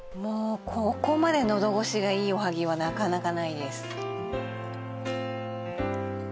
ここまで喉ごしがいいおはぎはなかなかないです